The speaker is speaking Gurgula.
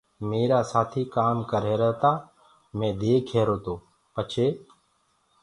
ميرآ سآٿيٚ ڪآم ڪريهرآ تآ مي ديک ريهرو تو پڇي